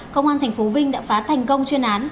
công an thành phố vinh đã phá thành công chuyên án